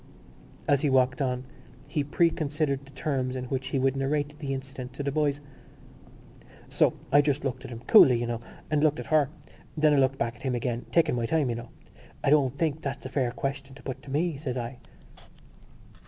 As he walked on he preconsidered the terms in which he would narrate the incident to the boys: "So, I just looked at him—coolly, you know, and looked at her. Then I looked back at him again—taking my time, you know. 'I don't think that that's a fair question to put to me,' says I."